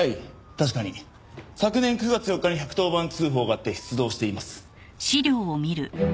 確かに昨年９月４日に１１０番通報があって出動しています。